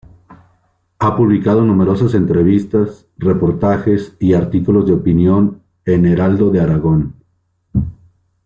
Ha publicado numerosas entrevistas, reportajes y artículos de opinión en Heraldo de Aragón.